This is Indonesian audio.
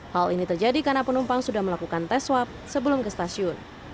hal ini terjadi karena penumpang sudah melakukan tes swab sebelum ke stasiun